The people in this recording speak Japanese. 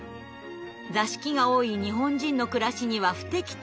座敷が多い日本人の暮らしには不適当。